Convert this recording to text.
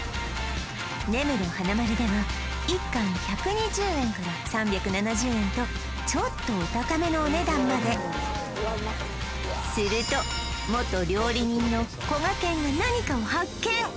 根室花まるでは一貫１２０円から３７０円とちょっとお高めのお値段まですると元料理人のこがけんが何かを発見！